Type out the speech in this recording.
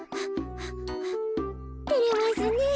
てれますねえ。